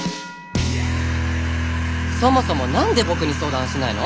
そもそも何でボクに相談しないの？